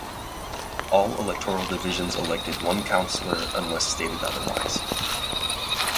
All electoral divisions elected one councillor unless stated otherwise.